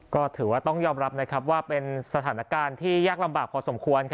ก็ถือว่าต้องยอมรับว่าเป็นสถานการณ์ที่ยากลำบากพอสมควร